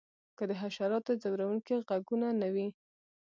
که د حشراتو ځورونکي غږونه نه وی